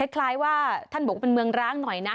คล้ายว่าท่านบอกว่าเป็นเมืองร้างหน่อยนะ